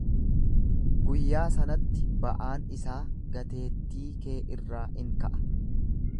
Guyyaa sanatti ba'aan isaa gateettii kee irraa in ka'a.